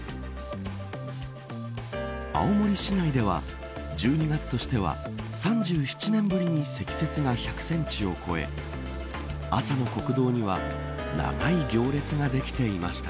青森市内では１２月としては３７年ぶりに積雪が１００センチを越え朝の国道には長い行列ができていました。